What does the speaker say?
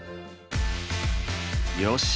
よし！